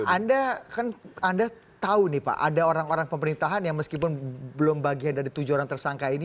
anda kan anda tahu nih pak ada orang orang pemerintahan yang meskipun belum bagian dari tujuh orang tersangka ini